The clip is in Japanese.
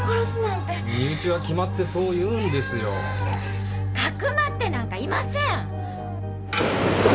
かくまってなんかいません！